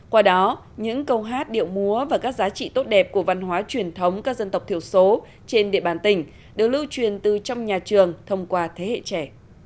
qua đó những câu hát điệu múa và các giá trị tốt đẹp của văn hóa truyền thống các dân tộc thiểu số trên địa bàn tỉnh được lưu truyền từ trong nhà trường thông qua thế hệ trẻ